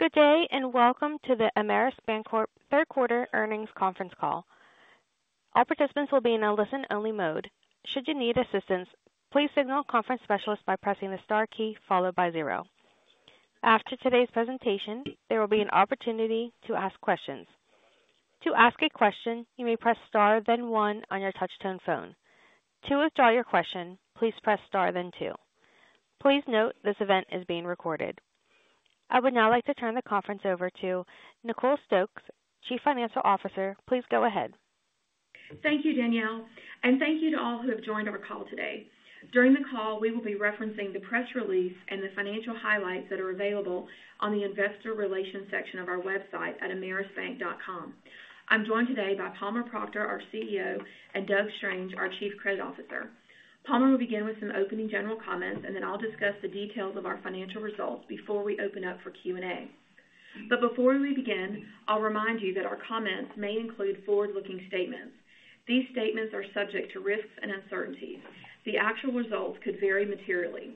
Good day, and welcome to the Ameris Bancorp third quarter earnings conference call. All participants will be in a listen-only mode. Should you need assistance, please signal conference specialist by pressing the star key followed by zero. After today's presentation, there will be an opportunity to ask questions. To ask a question, you may press star, then one on your touchtone phone. To withdraw your question, please press star then two. Please note, this event is being recorded. I would now like to turn the conference over to Nicole Stokes, Chief Financial Officer. Please go ahead. Thank you, Danielle, and thank you to all who have joined our call today. During the call, we will be referencing the press release and the financial highlights that are available on the Investor Relations section of our website at amerisbank.com. I'm joined today by Palmer Proctor, our CEO, and Doug Strange, our Chief Credit Officer. Palmer will begin with some opening general comments, and then I'll discuss the details of our financial results before we open up for Q&A. But before we begin, I'll remind you that our comments may include forward-looking statements. These statements are subject to risks and uncertainties. The actual results could vary materially.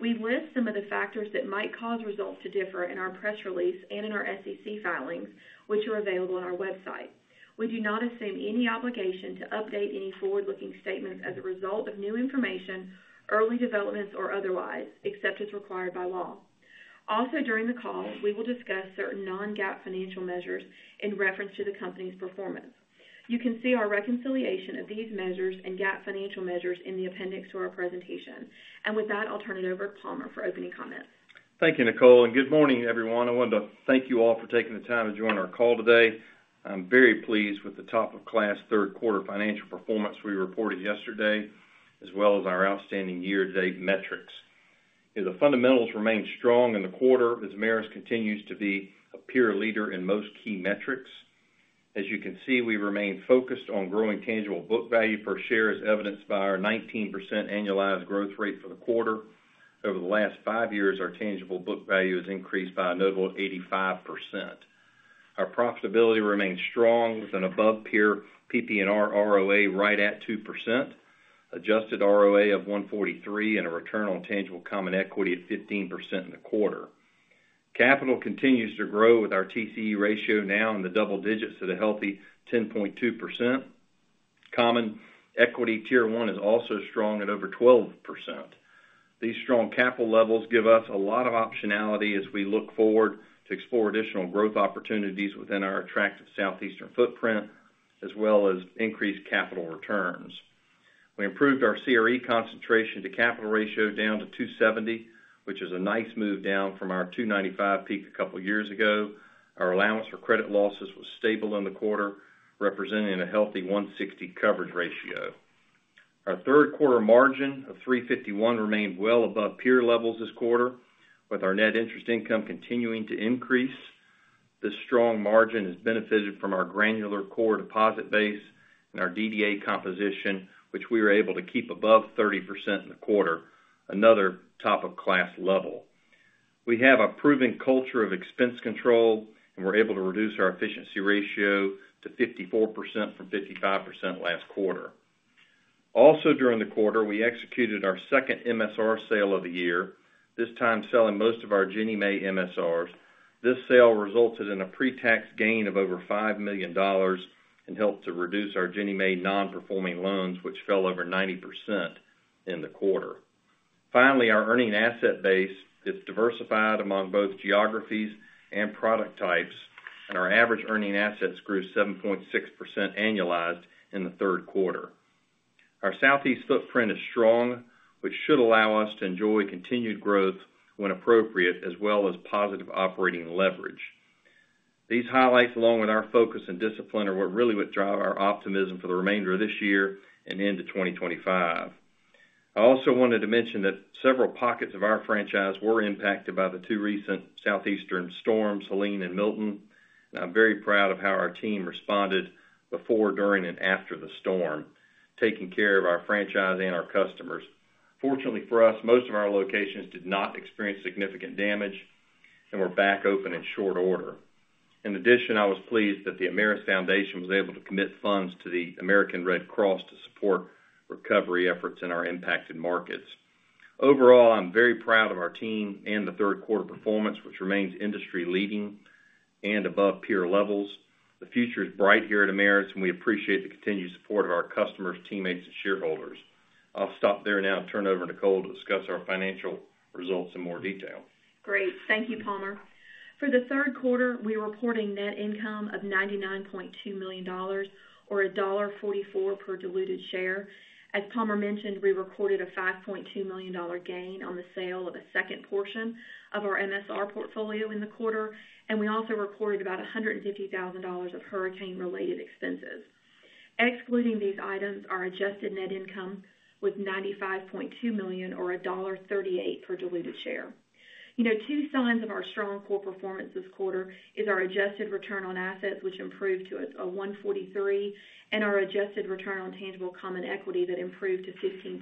We list some of the factors that might cause results to differ in our press release and in our SEC filings, which are available on our website. We do not assume any obligation to update any forward-looking statements as a result of new information, early developments, or otherwise, except as required by law. Also, during the call, we will discuss certain non-GAAP financial measures in reference to the company's performance. You can see our reconciliation of these measures and GAAP financial measures in the appendix to our presentation. An```d with that, I'll turn it over to Palmer for opening comments. Thank you, Nicole, and good morning, everyone. I want to thank you all for taking the time to join our call today. I'm very pleased with the top-of-class third quarter financial performance we reported yesterday, as well as our outstanding year-to-date metrics. The fundamentals remained strong in the quarter as Ameris continues to be a peer leader in most key metrics. As you can see, we remain focused on growing tangible book value per share, as evidenced by our 19% annualized growth rate for the quarter. Over the last five years, our tangible book value has increased by a notable 85%. Our profitability remains strong, with an above peer PPNR ROA right at 2%, adjusted ROA of 1.43, and a return on tangible common equity at 15% in the quarter. Capital continues to grow, with our TCE ratio now in the double digits at a healthy 10.2%. Common Equity Tier 1 is also strong at over 12%. These strong capital levels give us a lot of optionality as we look forward to explore additional growth opportunities within our attractive Southeastern footprint, as well as increased capital returns. We improved our CRE concentration to capital ratio down to 270, which is a nice move down from our 295 peak a couple of years ago. Our allowance for credit losses was stable in the quarter, representing a healthy 160 coverage ratio. Our third quarter margin of 351 remained well above peer levels this quarter, with our net interest income continuing to increase. This strong margin has benefited from our granular core deposit base and our DDA composition, which we were able to keep above 30% in the quarter, another top-of-class level. We have a proven culture of expense control, and we're able to reduce our efficiency ratio to 54% from 55% last quarter. Also, during the quarter, we executed our second MSR sale of the year, this time selling most of our Ginnie Mae MSRs. This sale resulted in a pre-tax gain of over $5 million and helped to reduce our Ginnie Mae non-performing loans, which fell over 90% in the quarter. Finally, our earning asset base is diversified among both geographies and product types, and our average earning assets grew 7.6% annualized in the third quarter. Our Southeast footprint is strong, which should allow us to enjoy continued growth when appropriate, as well as positive operating leverage. These highlights, along with our focus and discipline, are what really would drive our optimism for the remainder of this year and into 2025. I also wanted to mention that several pockets of our franchise were impacted by the two recent Southeastern storms, Helene and Milton. I'm very proud of how our team responded before, during, and after the storm, taking care of our franchise and our customers. Fortunately for us, most of our locations did not experience significant damage and were back open in short order. In addition, I was pleased that the Ameris Foundation was able to commit funds to the American Red Cross to support recovery efforts in our impacted markets. Overall, I'm very proud of our team and the third quarter performance, which remains industry-leading and above peer levels. The future is bright here at Ameris, and we appreciate the continued support of our customers, teammates, and shareholders. I'll stop there now and turn it over to Nicole to discuss our financial results in more detail. Great. Thank you, Palmer. For the third quarter, we're reporting net income of $99.2 million or $1.44 per diluted share. As Palmer mentioned, we recorded a $5.2 million gain on the sale of a second portion of our MSR portfolio in the quarter, and we also recorded about $150,000 of hurricane-related expenses. Excluding these items, our adjusted net income was $95.2 million or $1.38 per diluted share. You know, two signs of our strong core performance this quarter is our adjusted return on assets, which improved to 1.43%, and our adjusted return on tangible common equity that improved to 15%.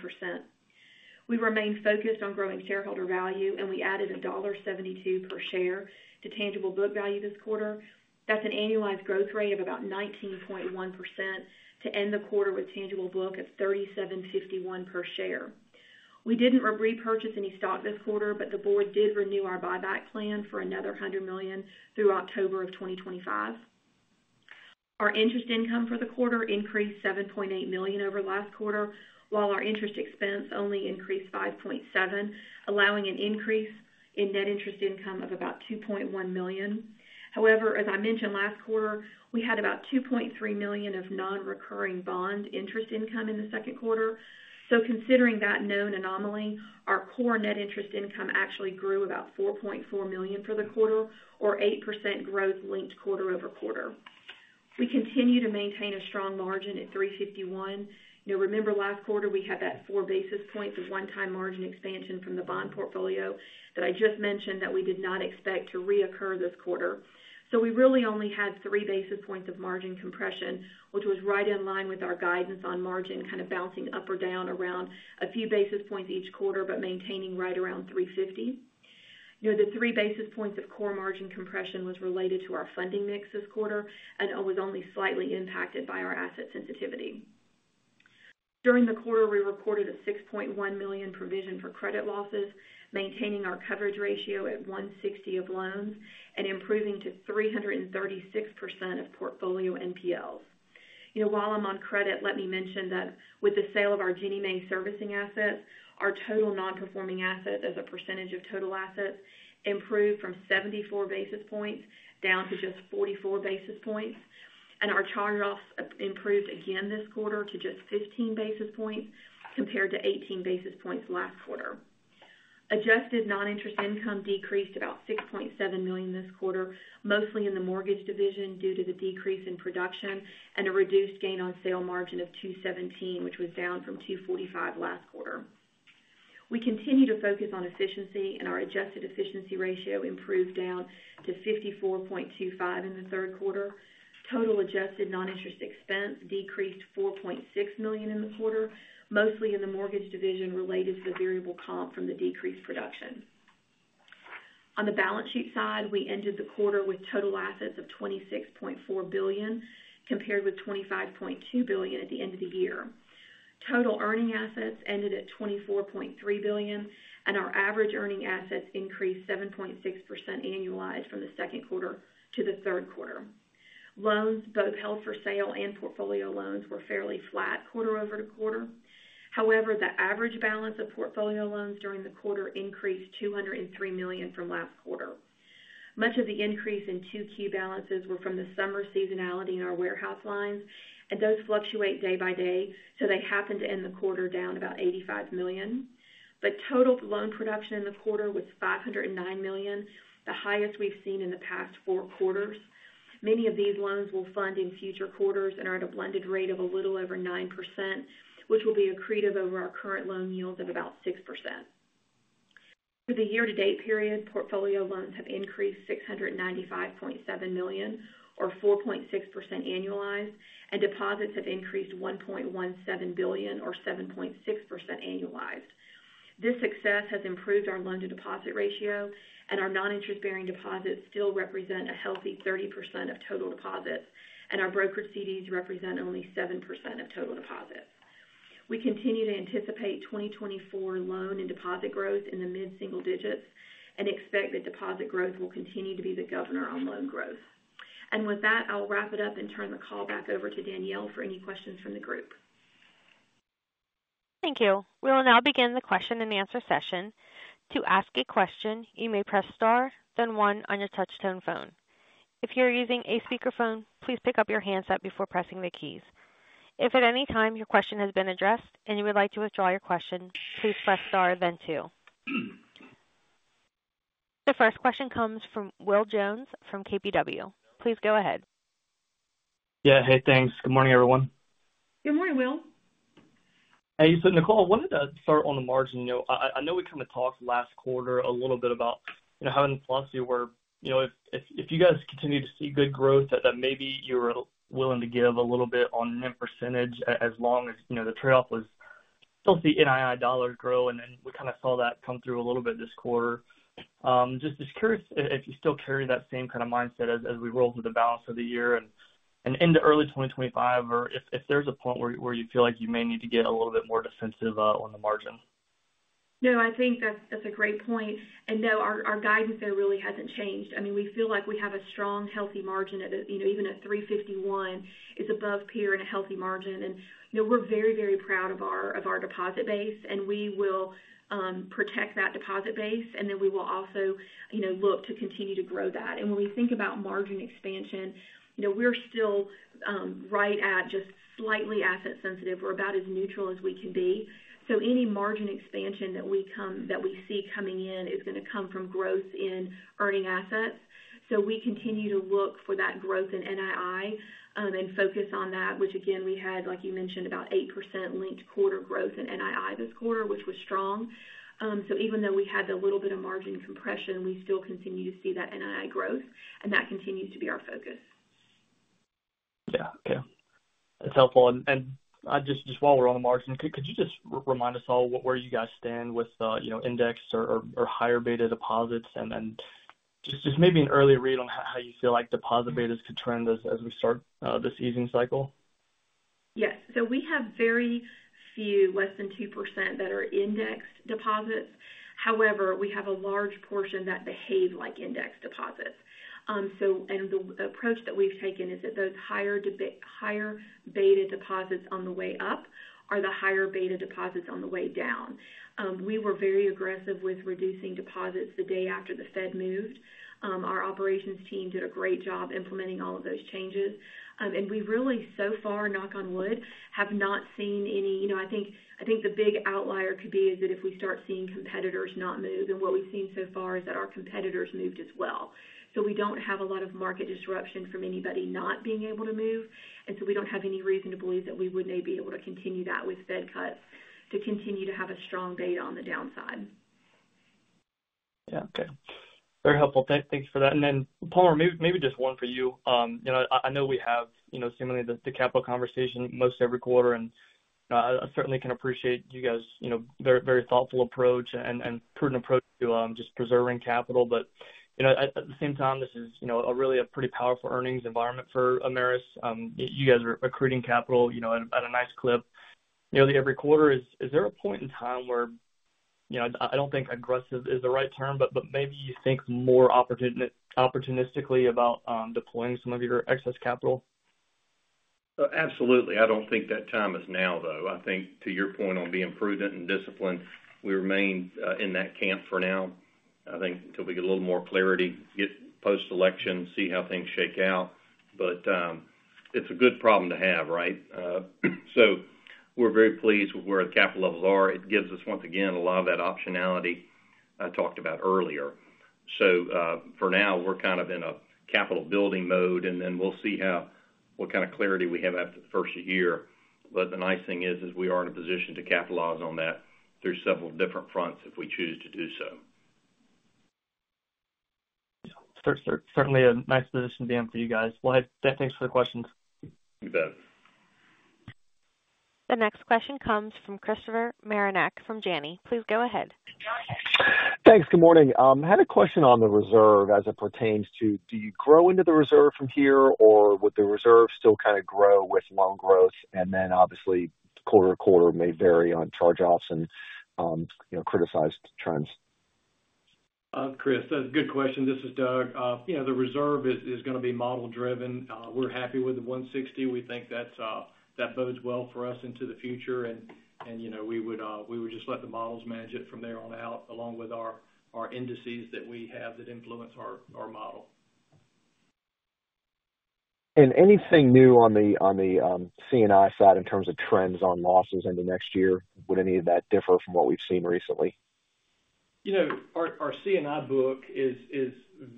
We remain focused on growing shareholder value, and we added $1.72 per share to tangible book value this quarter. That's an annualized growth rate of about 19.1% to end the quarter with tangible book at $37.51 per share. We didn't repurchase any stock this quarter, but the board did renew our buyback plan for another $100 million through October of 2025. Our interest income for the quarter increased $7.8 million over last quarter, while our interest expense only increased $5.7 million, allowing an increase in net interest income of about $2.1 million. However, as I mentioned last quarter, we had about $2.3 million of non-recurring bond interest income in the second quarter. So considering that known anomaly, our core net interest income actually grew about $4.4 million for the quarter, or 8% growth linked quarter over quarter. We continue to maintain a strong margin at 3.51%. You know, remember last quarter, we had that four basis points of one-time margin expansion from the bond portfolio that I just mentioned, that we did not expect to reoccur this quarter, so we really only had three basis points of margin compression, which was right in line with our guidance on margin, kind of bouncing up or down around a few basis points each quarter, but maintaining right around 3.50%. You know, the three basis points of core margin compression was related to our funding mix this quarter and it was only slightly impacted by our asset sensitivity. During the quarter, we recorded a $6.1 million provision for credit losses, maintaining our coverage ratio at 1.60% of loans and improving to 336% of portfolio NPLs. You know, while I'm on credit, let me mention that with the sale of our Ginnie Mae servicing assets, our total non-performing assets as a percentage of total assets improved from 74 basis points down to just 44 basis points, and our charge-offs improved again this quarter to just 15 basis points, compared to 18 basis points last quarter. Adjusted non-interest income decreased about $6.7 million this quarter, mostly in the mortgage division, due to the decrease in production and a reduced gain on sale margin of 217, which was down from 245 last quarter. We continue to focus on efficiency, and our adjusted efficiency ratio improved down to 54.25 in the third quarter. Total adjusted non-interest expense decreased $4.6 million in the quarter, mostly in the mortgage division, related to the variable comp from the decreased production. On the balance sheet side, we ended the quarter with total assets of $26.4 billion, compared with $25.2 billion at the end of the year. Total earning assets ended at $24.3 billion, and our average earning assets increased 7.6% annualized from the second quarter to the third quarter. Loans, both held for sale and portfolio loans, were fairly flat quarter over quarter. However, the average balance of portfolio loans during the quarter increased $203 million from last quarter. Much of the increase in two key balances were from the summer seasonality in our warehouse lines, and those fluctuate day by day, so they happened to end the quarter down about $85 million. But total loan production in the quarter was $509 million, the highest we've seen in the past four quarters. Many of these loans will fund in future quarters and are at a blended rate of a little over 9%, which will be accretive over our current loan yield of about 6%. For the year-to-date period, portfolio loans have increased $695.7 million, or 4.6% annualized, and deposits have increased $1.17 billion or 7.6% annualized. This success has improved our loan-to-deposit ratio, and our non-interest-bearing deposits still represent a healthy 30% of total deposits, and our brokered CDs represent only 7% of total deposits. We continue to anticipate 2024 loan and deposit growth in the mid-single digits and expect that deposit growth will continue to be the governor on loan growth. And with that, I'll wrap it up and turn the call back over to Danielle for any questions from the group. Thank you. We will now begin the question-and-answer session. To ask a question, you may press star, then one on your touchtone phone. If you're using a speakerphone, please pick up your handset before pressing the keys. If at any time your question has been addressed and you would like to withdraw your question, please press star, then two. The first question comes from Will Jones from KBW. Please go ahead. Yeah. Hey, thanks. Good morning, everyone. Good morning, Will. Hey, so Nicole, wanted to start on the margin. You know, I know we kind of talked last quarter a little bit about, you know, how in the plus you were. You know, if you guys continue to see good growth, that maybe you're willing to give a little bit on net percentage, as long as, you know, the trade-off was still see Nll dollars grow, and then we kind of saw that come through a little bit this quarter. Just curious if you still carry that same kind of mindset as we roll through the balance of the year and into early 2025, or if there's a point where you feel like you may need to get a little bit more defensive on the margin? No, I think that's a great point. And no, our guidance there really hasn't changed. I mean, we feel like we have a strong, healthy margin at, you know, even at 3.51%, it's above peer and a healthy margin. And, you know, we're very, very proud of our deposit base, and we will protect that deposit base, and then we will also, you know, look to continue to grow that. And when we think about margin expansion, you know, we're still right at just slightly asset sensitive. We're about as neutral as we can be. So any margin expansion that we see coming in is gonna come from growth in earning assets. So we continue to look for that growth in NII, and focus on that, which again, we had, like you mentioned, about 8% linked quarter growth in NII this quarter, which was strong. So even though we had a little bit of margin compression, we still continue to see that NII growth, and that continues to be our focus. Yeah. Okay. That's helpful. And just while we're on the margin, could you just remind us all where you guys stand with, you know, indexed or higher beta deposits? And then just maybe an early read on how you feel like deposit betas could trend as we start this easing cycle? Yes. So we have very few, less than 2%, that are indexed deposits. However, we have a large portion that behave like index deposits. So and the approach that we've taken is that those higher beta deposits on the way up are the higher beta deposits on the way down. We were very aggressive with reducing deposits the day after the Fed moved. Our operations team did a great job implementing all of those changes. And we really, so far, knock on wood, have not seen any. You know, I think the big outlier could be is that if we start seeing competitors not move, and what we've seen so far is that our competitors moved as well. So we don't have a lot of market disruption from anybody not being able to move, and so we don't have any reason to believe that we would not be able to continue that with Fed cuts, to continue to have a strong beta on the downside. Yeah. Okay. Very helpful. Thanks for that. And then, Palmer, maybe just one for you. You know, I know we have, you know, seemingly the capital conversation most every quarter, and I certainly can appreciate you guys, you know, very, very thoughtful approach and prudent approach to just preserving capital. But, you know, at the same time, this is, you know, a really pretty powerful earnings environment for Ameris. You guys are accreting capital, you know, at a nice clip nearly every quarter. Is there a point in time where, you know, I don't think aggressive is the right term, but maybe you think more opportunistically about deploying some of your excess capital? Absolutely. I don't think that time is now, though. I think to your point on being prudent and disciplined, we remain in that camp for now, I think, until we get a little more clarity, get post-election, see how things shake out. But it's a good problem to have, right? So we're very pleased with where our capital levels are. It gives us, once again, a lot of that optionality I talked about earlier. So for now, we're kind of in a capital building mode, and then we'll see how what kind of clarity we have after the first of the year. But the nice thing is we are in a position to capitalize on that through several different fronts, if we choose to do so. Yeah. Certainly a nice position to be in for you guys. Well, thanks for the questions. You bet. The next question comes from Christopher Marinac from Janney. Please go ahead. Thanks. Good morning. I had a question on the reserve as it pertains to: do you grow into the reserve from here, or would the reserve still kind of grow with loan growth? And then, obviously, quarter to quarter may vary on charge-offs and, you know, criticized trends. Chris, that's a good question. This is Doug. You know, the reserve is gonna be model driven. We're happy with the one sixty. We think that's that bodes well for us into the future, and you know, we would just let the models manage it from there on out, along with our indices that we have that influence our model. And anything new on the C&I side in terms of trends on losses into next year? Would any of that differ from what we've seen recently? You know, our C&I book is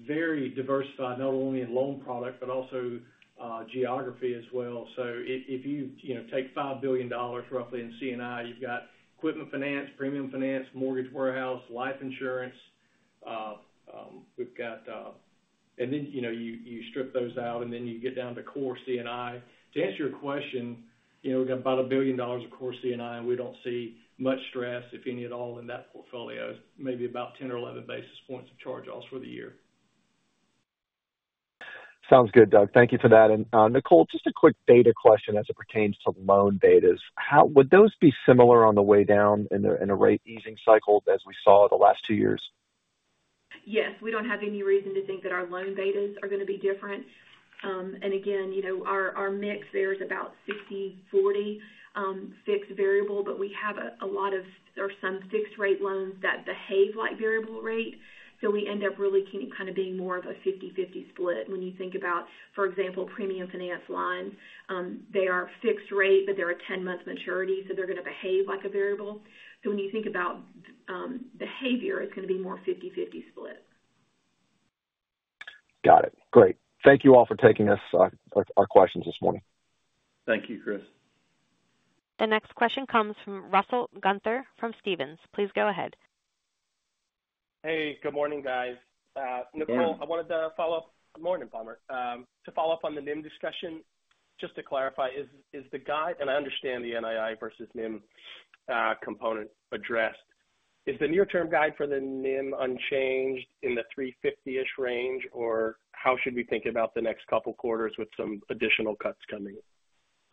very diversified, not only in loan product, but also, geography as well. So if you know, take $5 billion roughly in C&I, you've got equipment finance, premium finance, mortgage warehouse, life insurance. We've got. And then, you know, you strip those out, and then you get down to core C&I. To answer your question, you know, we've got about $1 billion of core C&I, and we don't see much stress, if any at all, in that portfolio. Maybe about 10 or 11 basis points of charge-offs for the year. Sounds good, Doug. Thank you for that. And, Nicole, just a quick data question as it pertains to loan betas. How would those be similar on the way down in a rate easing cycle as we saw the last two years? Yes, we don't have any reason to think that our loan betas are going to be different, and again, you know, our mix there is about 60/40 fixed/variable, but we have a lot of or some fixed rate loans that behave like variable rate, so we end up really kind of being more of a 50/50 split. When you think about, for example, premium finance lines, they are fixed rate, but they're a 10-month maturity, so they're going to behave like a variable. So when you think about behavior, it's going to be more 50/50 split. Got it. Great. Thank you all for taking our questions this morning. Thank you, Chris. The next question comes from Russell Gunther, from Stephens. Please go ahead. Hey, good morning, guys. Good morning. Nicole, I wanted to follow up. Good morning, Palmer. To follow up on the NIM discussion, just to clarify, is the guide, and I understand the NII versus NIM component addressed. Is the near-term guide for the NIM unchanged in the 350-ish range, or how should we think about the next couple quarters with some additional cuts coming?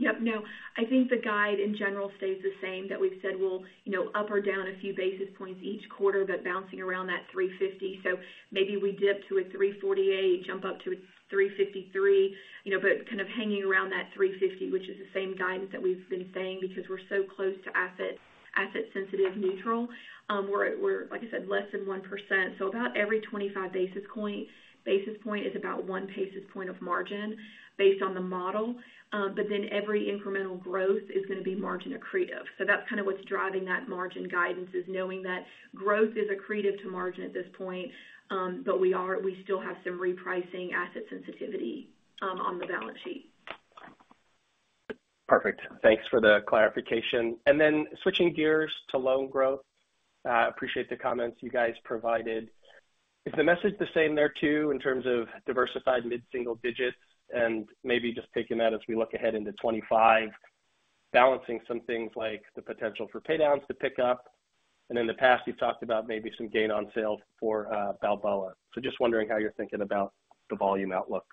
Yep. No, I think the guide in general stays the same, that we've said we'll, you know, up or down a few basis points each quarter, but bouncing around that three fifty. So maybe we dip to a three forty-eight, jump up to a three fifty-three, you know, but kind of hanging around that three fifty, which is the same guidance that we've been saying, because we're so close to asset sensitive neutral. We're, like I said, less than 1%. So about every 25 basis point is about one basis point of margin based on the model. But then every incremental growth is going to be margin accretive. So that's kind of what's driving that margin guidance, is knowing that growth is accretive to margin at this point. But we still have some repricing asset sensitivity on the balance sheet. Perfect. Thanks for the clarification. And then switching gears to loan growth, appreciate the comments you guys provided. Is the message the same there, too, in terms of diversified mid-single digits? And maybe just taking that as we look ahead into 2025, balancing some things like the potential for paydowns to pick up?... And in the past, you've talked about maybe some gain on sale for Balboa. So just wondering how you're thinking about the volume outlook.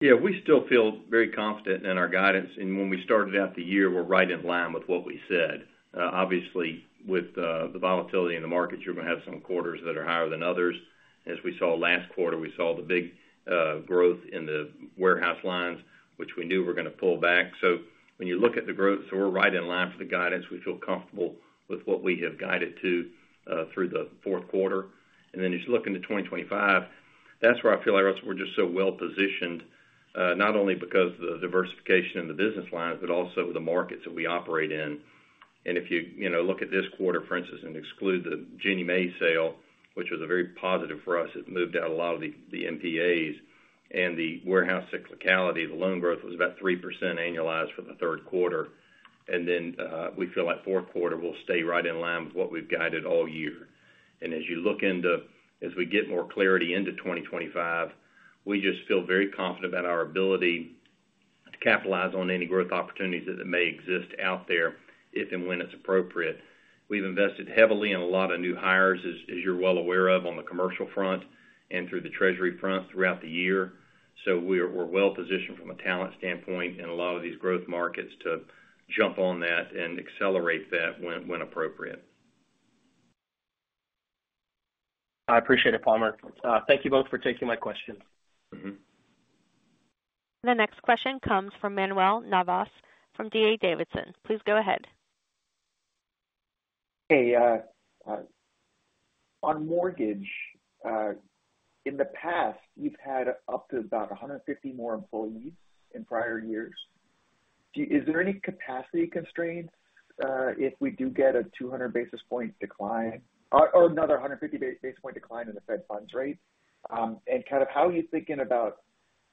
Yeah, we still feel very confident in our guidance, and when we started out the year, we're right in line with what we said. Obviously, with the volatility in the markets, you're going to have some quarters that are higher than others. As we saw last quarter, we saw the big growth in the warehouse lines, which we knew were gonna pull back. So when you look at the growth, we're right in line for the guidance. We feel comfortable with what we have guided to through the fourth quarter. And then as you look into twenty twenty-five, that's where I feel like we're just so well positioned, not only because of the diversification in the business lines, but also the markets that we operate in. And if you, you know, look at this quarter, for instance, and exclude the Ginnie Mae sale, which was a very positive for us, it moved out a lot of the NPAs and the warehouse cyclicality. The loan growth was about 3% annualized for the third quarter. Then we feel like fourth quarter will stay right in line with what we've guided all year. And as we get more clarity into twenty twenty-five, we just feel very confident about our ability to capitalize on any growth opportunities that may exist out there, if and when it's appropriate. We've invested heavily in a lot of new hires, as you're well aware of, on the commercial front and through the treasury front throughout the year. So we're well-positioned from a talent standpoint in a lot of these growth markets to jump on that and accelerate that when appropriate. I appreciate it, Palmer. Thank you both for taking my questions. Mm-hmm. The next question comes from Manuel Navas from D.A. Davidson. Please go ahead. Hey, on mortgage, in the past, you've had up to about a hundred and fifty more employees in prior years. Do you-- is there any capacity constraints, if we do get a two hundred basis points decline or, or another hundred and fifty basis point decline in the Fed funds rate? And kind of how are you thinking about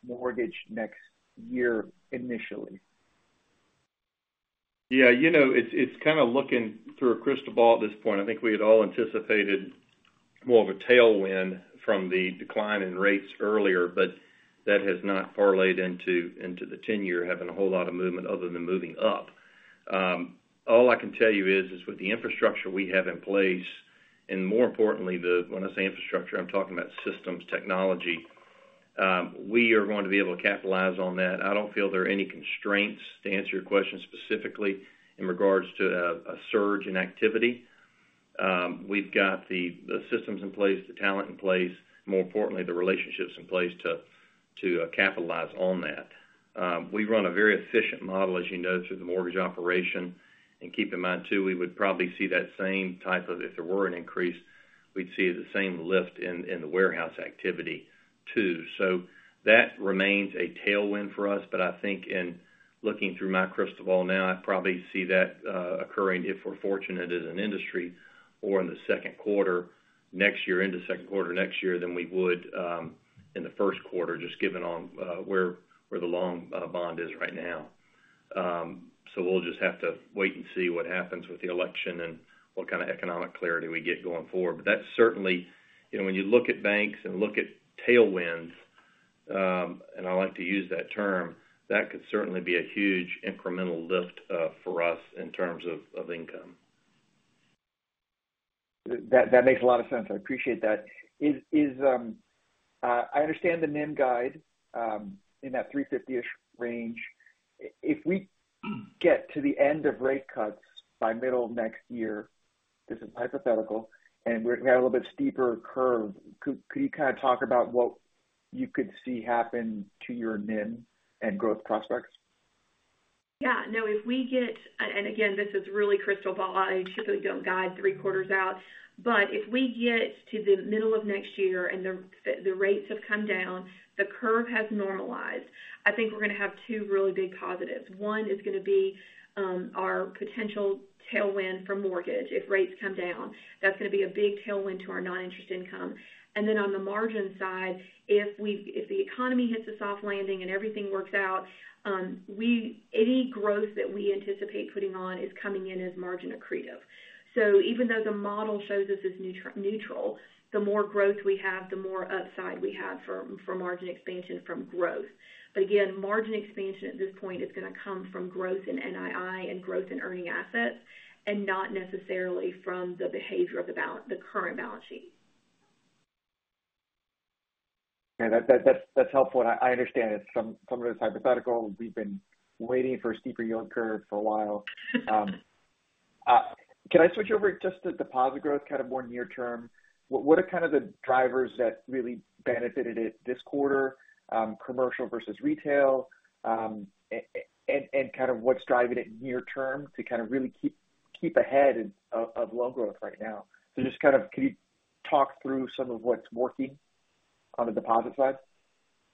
mortgage next year initially? Yeah, you know, it's kind of looking through a crystal ball at this point. I think we had all anticipated more of a tailwind from the decline in rates earlier, but that has not correlated into the 10-year, having a whole lot of movement other than moving up. All I can tell you is with the infrastructure we have in place, and more importantly, the, when I say infrastructure, I'm talking about systems, technology, we are going to be able to capitalize on that. I don't feel there are any constraints, to answer your question specifically, in regards to a surge in activity. We've got the systems in place, the talent in place, more importantly, the relationships in place to capitalize on that. We run a very efficient model, as you know, through the mortgage operation. Keep in mind, too, we would probably see that same type of... If there were an increase, we'd see the same lift in the warehouse activity, too. So that remains a tailwind for us, but I think in looking through my crystal ball now, I probably see that occurring, if we're fortunate as an industry, or in the second quarter next year, into second quarter next year, than we would in the first quarter, just given on where the long bond is right now. So we'll just have to wait and see what happens with the election and what kind of economic clarity we get going forward. But that's certainly, you know, when you look at banks and look at tailwinds, and I like to use that term, that could certainly be a huge incremental lift for us in terms of income. That makes a lot of sense. I appreciate that. I understand the NIM guide in that three fifty-ish range. If we get to the end of rate cuts by middle of next year, this is hypothetical, and we're at a little bit steeper curve, could you kind of talk about what you could see happen to your NIM and growth prospects? Yeah, no, if we get and again, this is really crystal ball. I typically don't guide three quarters out. But if we get to the middle of next year and the rates have come down, the curve has normalized, I think we're going to have two really big positives. One is going to be our potential tailwind from mortgage if rates come down. That's going to be a big tailwind to our non-interest income. And then on the margin side, if the economy hits a soft landing and everything works out, any growth that we anticipate putting on is coming in as margin accretive. So even though the model shows us as neutral, the more growth we have, the more upside we have for margin expansion from growth. But again, margin expansion at this point is going to come from growth in NII and growth in earning assets, and not necessarily from the behavior of the current balance sheet. Yeah, that's helpful, and I understand it. Some of it is hypothetical. We've been waiting for a steeper yield curve for a while. Can I switch over just to deposit growth, kind of more near term? What are kind of the drivers that really benefited it this quarter, commercial versus retail? And kind of what's driving it near term to kind of really keep ahead of low growth right now? So just kind of could you talk through some of what's working on the deposit side?...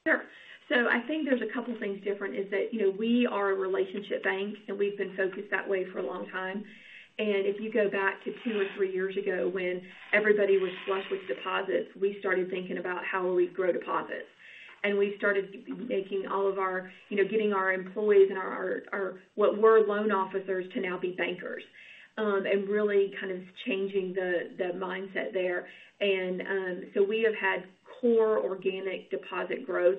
Sure. So I think there's a couple things different, is that, you know, we are a relationship bank, and we've been focused that way for a long time. And if you go back to two or three years ago when everybody was flush with deposits, we started thinking about how will we grow deposits? And we started making all of our you know, getting our employees and our what were loan officers to now be bankers, and really kind of changing the mindset there. And so we have had core organic deposit growth,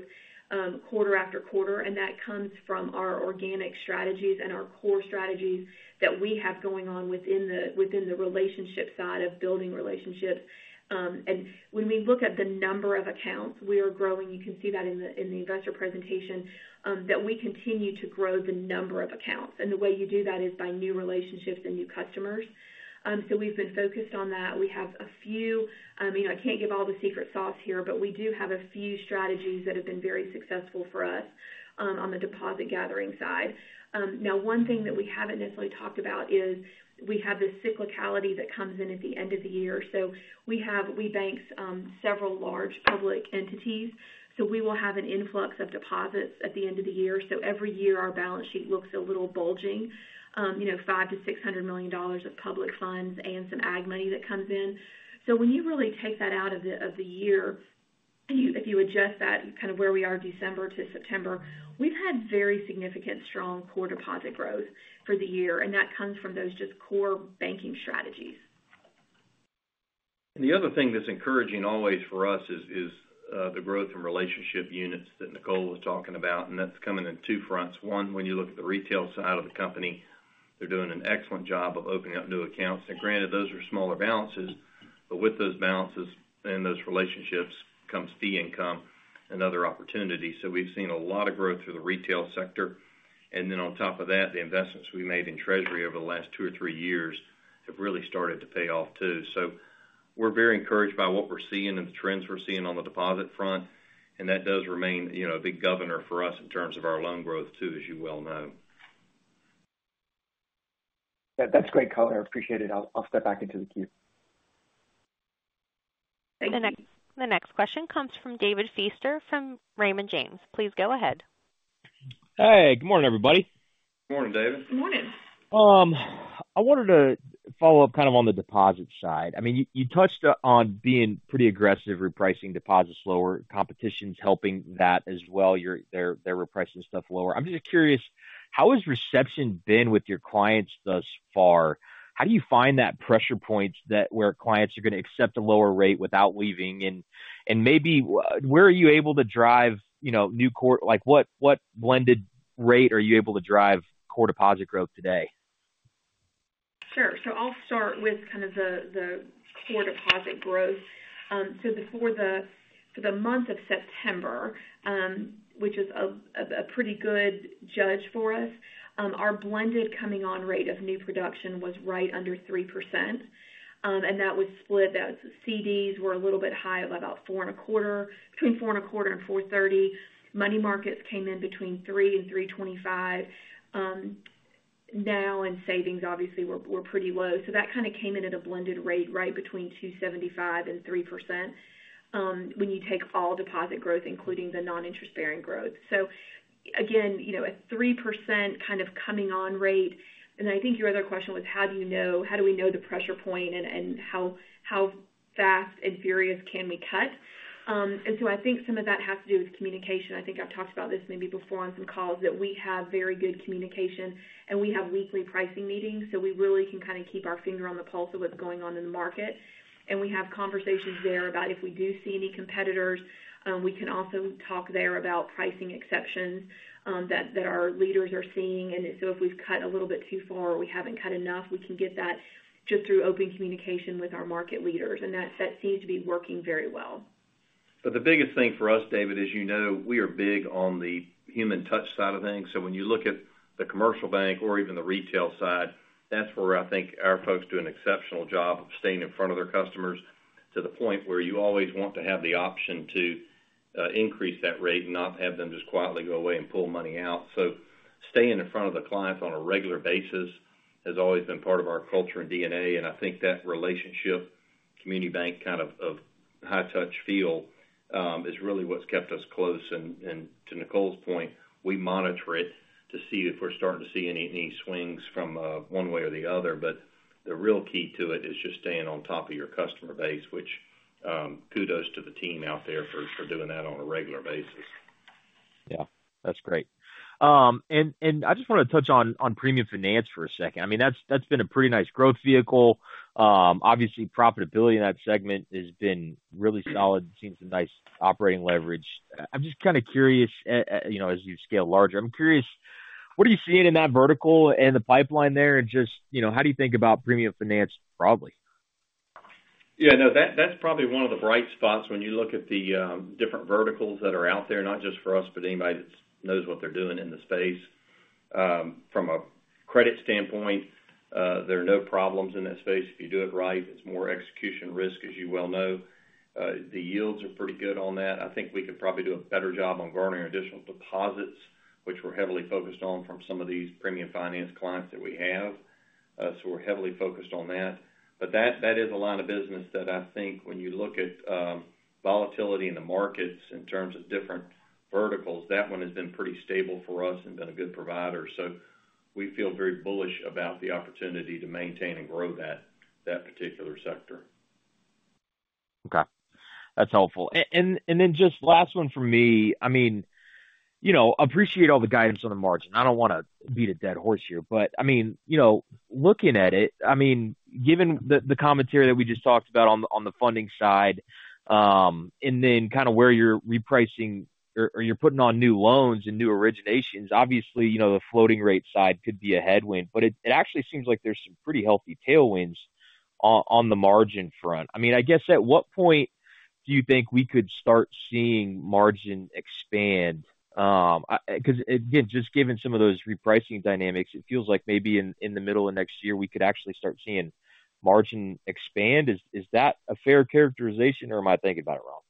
quarter after quarter, and that comes from our organic strategies and our core strategies that we have going on within the relationship side of building relationships. And when we look at the number of accounts we are growing, you can see that in the investor presentation that we continue to grow the number of accounts. And the way you do that is by new relationships and new customers. So we've been focused on that. We have a few, you know, I can't give all the secret sauce here, but we do have a few strategies that have been very successful for us on the deposit gathering side. Now, one thing that we haven't necessarily talked about is we have this cyclicality that comes in at the end of the year. So we bank several large public entities, so we will have an influx of deposits at the end of the year. So every year, our balance sheet looks a little bulging, you know, $500 million-$600 million of public funds and some ag money that comes in. So when you really take that out of the year, if you adjust that kind of where we are, December to September, we've had very significant, strong core deposit growth for the year, and that comes from those just core banking strategies. And the other thing that's encouraging always for us is the growth in relationship units that Nicole was talking about, and that's coming in two fronts. One, when you look at the retail side of the company, they're doing an excellent job of opening up new accounts. And granted, those are smaller balances, but with those balances and those relationships comes fee income and other opportunities. So we've seen a lot of growth through the retail sector. And then on top of that, the investments we made in treasury over the last two or three years have really started to pay off, too. So we're very encouraged by what we're seeing and the trends we're seeing on the deposit front, and that does remain, you know, a big governor for us in terms of our loan growth, too, as you well know. That's great, Nicole, I appreciate it. I'll step back into the queue. Thank you. The next question comes from David Feaster from Raymond James. Please go ahead. Hey, good morning, everybody. Good morning, David. Good morning. I wanted to follow up kind of on the deposit side. I mean, you touched on being pretty aggressive, repricing deposits lower, competition's helping that as well. They're, they're repricing stuff lower. I'm just curious, how has reception been with your clients thus far? How do you find that pressure points that where clients are going to accept a lower rate without leaving? And maybe where are you able to drive, you know, new core-- like, what, what blended rate are you able to drive core deposit growth today? Sure. So I'll start with kind of the core deposit growth. So before the month of September, which is a pretty good judge for us, our blended coming on rate of new production was right under 3%, and that was split. Those CDs were a little bit high, about 4.25%, between 4.25% and 4.30%. Money markets came in between 3% and 3.25%. Now in savings, obviously, we're pretty low. So that kind of came in at a blended rate, right between 2.75% and 3%, when you take all deposit growth, including the non-interest bearing growth. So again, you know, a 3% kind of coming on rate. I think your other question was how do we know the pressure point and how fast and furious can we cut? And so I think some of that has to do with communication. I think I've talked about this maybe before on some calls, that we have very good communication, and we have weekly pricing meetings, so we really can kind of keep our finger on the pulse of what's going on in the market. And we have conversations there about if we do see any competitors, we can also talk there about pricing exceptions, that our leaders are seeing. And so if we've cut a little bit too far or we haven't cut enough, we can get that just through open communication with our market leaders, and that set seems to be working very well. But the biggest thing for us, David, as you know, we are big on the human touch side of things. So when you look at the commercial bank or even the retail side, that's where I think our folks do an exceptional job of staying in front of their customers, to the point where you always want to have the option to increase that rate, not have them just quietly go away and pull money out. So staying in front of the clients on a regular basis has always been part of our culture and DNA, and I think that relationship, community bank kind of high touch feel is really what's kept us close. And to Nicole's point, we monitor it to see if we're starting to see any swings from one way or the other. But the real key to it is just staying on top of your customer base, which, kudos to the team out there for doing that on a regular basis. Yeah, that's great. And I just wanna touch on premium finance for a second. I mean, that's been a pretty nice growth vehicle. Obviously, profitability in that segment has been really solid. Seems a nice operating leverage. I'm just kind of curious, you know, as you scale larger, I'm curious, what are you seeing in that vertical and the pipeline there? And just, you know, how do you think about premium finance broadly? Yeah, no, that, that's probably one of the bright spots when you look at the different verticals that are out there, not just for us, but anybody that knows what they're doing in the space. From a credit standpoint, there are no problems in that space. If you do it right, it's more execution risk, as you well know. The yields are pretty good on that. I think we could probably do a better job on garnering additional deposits, which we're heavily focused on from some of these premium finance clients that we have. So we're heavily focused on that. But that, that is a line of business that I think when you look at volatility in the markets in terms of different verticals, that one has been pretty stable for us and been a good provider. We feel very bullish about the opportunity to maintain and grow that particular sector. Okay, that's helpful, and then just last one from me. I mean, you know, appreciate all the guidance on the margin. I don't wanna beat a dead horse here, but, I mean, you know, looking at it, I mean, given the commentary that we just talked about on the funding side, and then where you're repricing or you're putting on new loans and new originations, obviously, you know, the floating rate side could be a headwind, but it actually seems like there's some pretty healthy tailwinds on the margin front. I mean, I guess, at what point do you think we could start seeing margin expand? Cause, again, just given some of those repricing dynamics, it feels like maybe in the middle of next year, we could actually start seeing margin expand. Is that a fair characterization, or am I thinking about it wrong?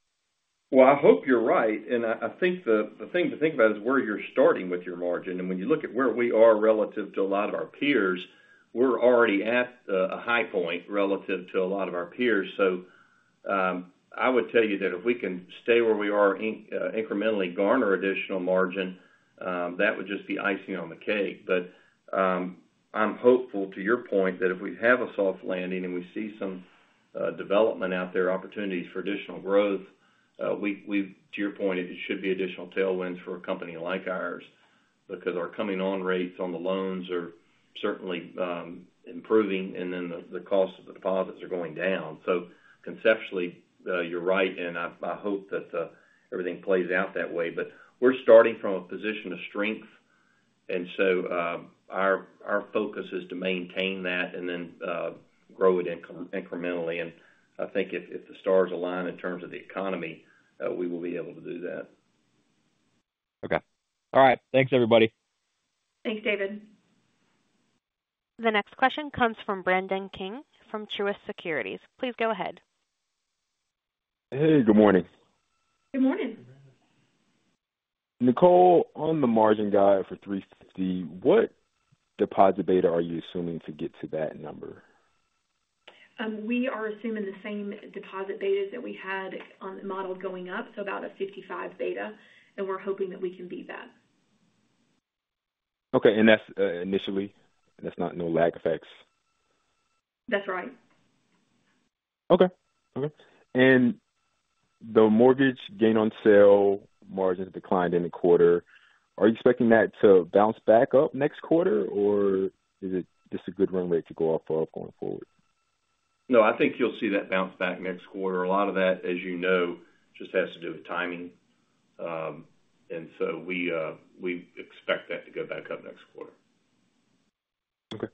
I hope you're right, and I think the thing to think about is where you're starting with your margin. When you look at where we are relative to a lot of our peers, we're already at a high point relative to a lot of our peers. I would tell you that if we can stay where we are, incrementally garner additional margin, that would just be icing on the cake. I'm hopeful, to your point, that if we have a soft landing, and we see some development out there, opportunities for additional growth, to your point, it should be additional tailwinds for a company like ours, because our coupon rates on the loans are certainly improving, and then the cost of the deposits are going down. So conceptually, you're right, and I hope that everything plays out that way. But we're starting from a position of strength, and so our focus is to maintain that and then grow it incrementally. And I think if the stars align in terms of the economy, we will be able to do that. Okay. All right. Thanks, everybody. Thanks, David. The next question comes from Brandon King from Truist Securities. Please go ahead. Hey, good morning. Good morning. Nicole, on the margin guide for 3.50%, what deposit beta are you assuming to get to that number? We are assuming the same deposit betas that we had on the model going up, so about a 55 beta, and we're hoping that we can beat that. Okay, and that's, initially? That's not no lag effects? That's right. The mortgage gain on sale margins declined in the quarter. Are you expecting that to bounce back up next quarter, or is it just a good runway to go off of going forward? No, I think you'll see that bounce back next quarter. A lot of that, as you know, just has to do with timing, and so we expect that to go back up next quarter. Okay.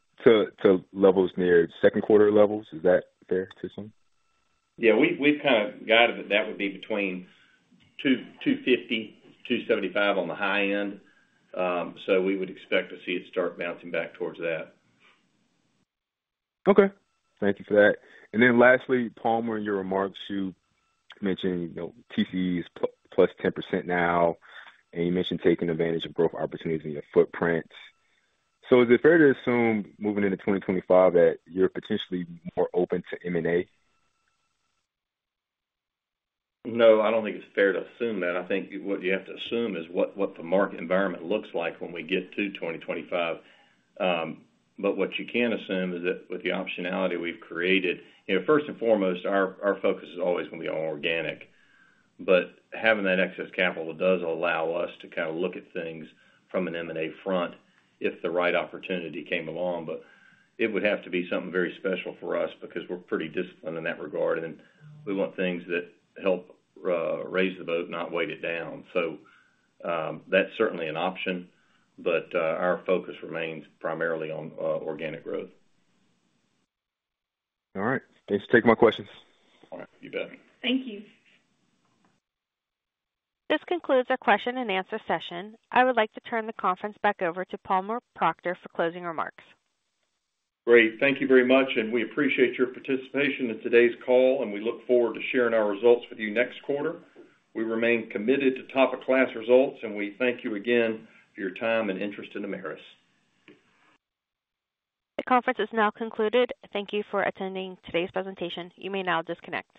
To levels near second quarter levels, is that fair to assume? Yeah, we've kind of guided that would be between 250-275 on the high end. So we would expect to see it start bouncing back towards that. Okay. Thank you for that. And then lastly, Palmer, in your remarks, you mentioned, you know, TCE is plus 10% now, and you mentioned taking advantage of growth opportunities in your footprint. So is it fair to assume, moving into twenty twenty-five, that you're potentially more open to M&A? No, I don't think it's fair to assume that. I think what you have to assume is what the market environment looks like when we get to 2025, but what you can assume is that with the optionality we've created, you know, first and foremost, our focus is always going to be on organic, but having that excess capital does allow us to kind of look at things from an M&A front, if the right opportunity came along, but it would have to be something very special for us because we're pretty disciplined in that regard, and we want things that help raise the boat, not weigh it down, so that's certainly an option, but our focus remains primarily on organic growth. All right. Thanks for taking my questions. All right, you bet. Thank you. This concludes our question and answer session. I would like to turn the conference back over to Palmer Proctor for closing remarks. Great. Thank you very much, and we appreciate your participation in today's call, and we look forward to sharing our results with you next quarter. We remain committed to top-of-class results, and we thank you again for your time and interest in Ameris. The conference is now concluded. Thank you for attending today's presentation. You may now disconnect.